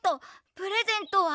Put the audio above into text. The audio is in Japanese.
プレゼントは？